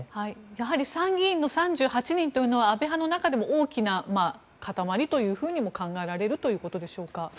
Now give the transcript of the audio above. やはり参議院の３８人というのは安倍派の中でも大きな塊というふうにも考えられるということでしょうか。